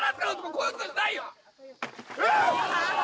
こういうことじゃないよえっ！？